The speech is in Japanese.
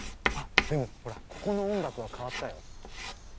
あっでもほらここの音楽は変わったよ。